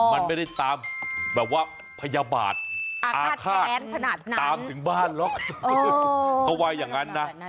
มันไม่ได้ตามแบบว่าพยาบาทอาฆาตแค้นขนาดนั้นตามถึงบ้านหรอกเขาว่าอย่างนั้นนะ